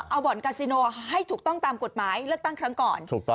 เอาบ่อนกาซิโนให้ถูกต้องตามกฎหมายเลือกตั้งครั้งก่อน